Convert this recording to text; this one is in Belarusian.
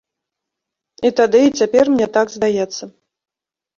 І тады, і цяпер мне так здаецца.